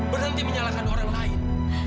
berhenti menyalahkan orang lain